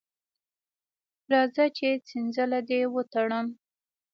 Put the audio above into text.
راځه چې څنځله دې وتړم.